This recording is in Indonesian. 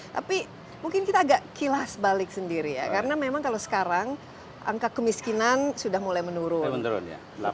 tapi mungkin kita agak kilas balik sendiri ya karena memang kalau sekarang angka kemiskinan sudah mulai menurun